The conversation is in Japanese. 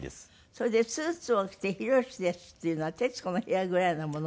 それでスーツを着て「ヒロシです」って言うのは『徹子の部屋』ぐらいなものだって？